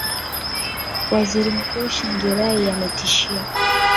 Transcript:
waziri mkuu shangirai ametishia